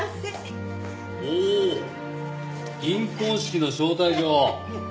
おお銀婚式の招待状。